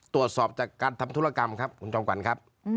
ตรวจสอบจากการทำธุรกรรมครับคุณจอมกวัลครับ